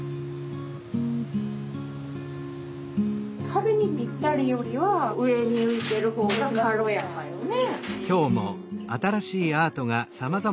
壁にぴったりよりは上に浮いてるほうが軽やかよね。